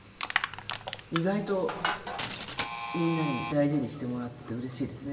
意外とみんなに大事にしてもらっててうれしいですね